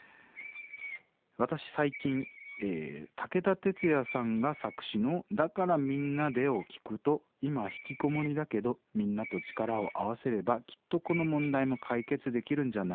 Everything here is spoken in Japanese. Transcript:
「私最近武田鉄矢さんが作詞の『だからみんなで』を聴くと今ひきこもりだけどみんなと力を合わせればきっとこの問題も解決できるんじゃないかと思うようになりました。